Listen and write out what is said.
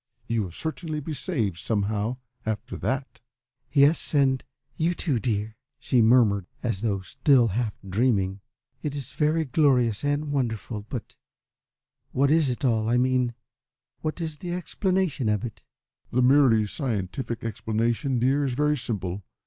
You will certainly be saved somehow after that." "Yes, and you too, dear," she murmured, as though still half dreaming. "It is very glorious and wonderful; but what is it all I mean, what is the explanation of it?" "The merely scientific explanation, dear, is very simple.